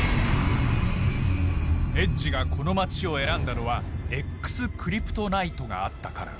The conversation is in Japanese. エッジがこの町を選んだのはＸクリプトナイトがあったから。